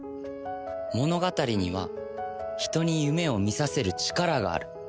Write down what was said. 物語には人に夢を見させる力がある。